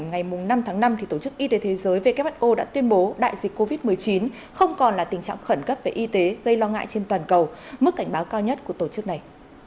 ngày năm tháng năm tổ chức y tế thế giới who đã tuyên bố đại dịch covid một mươi chín không còn là tình trạng khẩn cấp về y tế gây lo ngại trên toàn cầu mức cảnh báo cao nhất của tổ chức này